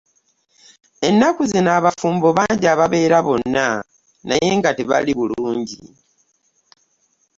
Ennaku zino abafumbo bangi ababeera bona naye nga tebali bulungi.